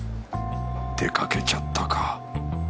出かけちゃったか。